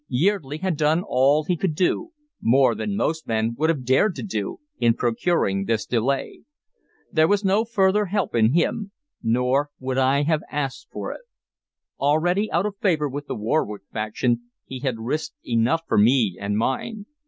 Yeardley had done all he could do, more than most men would have dared to do, in procuring this delay. There was no further help in him; nor would I have asked it. Already out of favor with the Warwick faction, he had risked enough for me and mine.